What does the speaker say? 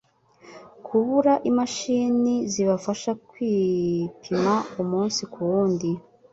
kubura imashini zibafasha kwipima umunsi ku wundi